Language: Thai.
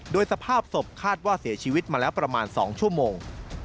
โดยสภาพศพคาดว่าเสียชีวิตมาแล้วประมาณ๒ชั่วโมง